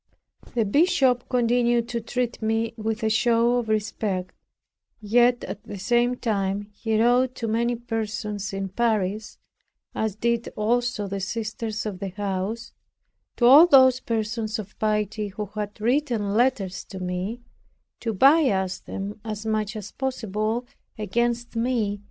The bishop continued to treat me with a show of respect; yet at the same time he wrote to many persons in Paris, as did also the sisters of the house, to all those persons of piety who had written letters to me, to bias them as much as possible against me.